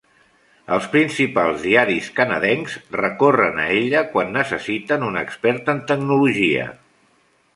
Els principals diaris canadencs recorren a ella quan necessiten un expert en tecnologia.